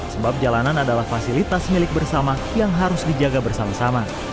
sebab jalanan adalah fasilitas milik bersama yang harus dijaga bersama sama